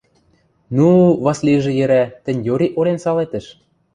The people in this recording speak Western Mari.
– Ну, – Васлижӹ йӹрӓ, – тӹнь йори олен салетӹш.